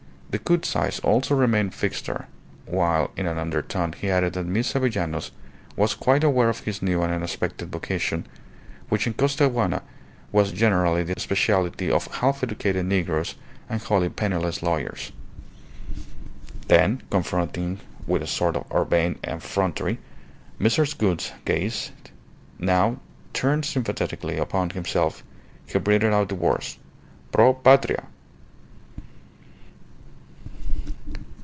Decoud's eyes also remained fixed there, while in an undertone he added that Miss Avellanos was quite aware of his new and unexpected vocation, which in Costaguana was generally the speciality of half educated negroes and wholly penniless lawyers. Then, confronting with a sort of urbane effrontery Mrs. Gould's gaze, now turned sympathetically upon himself, he breathed out the words, "_Pro Patria!